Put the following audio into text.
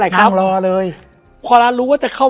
และวันนี้แขกรับเชิญที่จะมาเชิญที่เรา